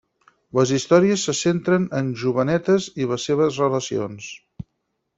Les històries se centren en jovenetes i les seves relacions.